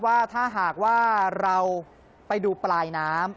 ว่าถ้าหากว่าเราไปดูปลายน้ำ